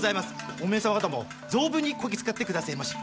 おめえ様方も存分にこき使ってくだせぇまし！